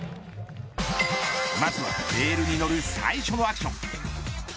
まずはレールに乗る最初のアクション。